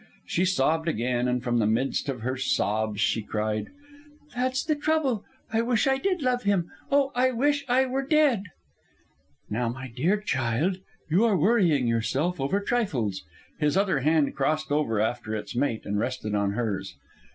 She sobbed again, and from the midst of her sobs she cried "That's the trouble. I wish I did love him. Oh, I wish I were dead!" "Now, my dear child, you are worrying yourself over trifles." His other hand crossed over after its mate and rested on hers.